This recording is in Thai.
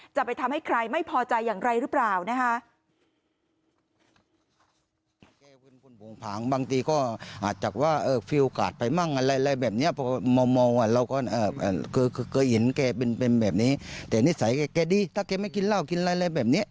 จะไปทำให้ใครไม่พอใจอย่างไรหรือเปล่านะคะ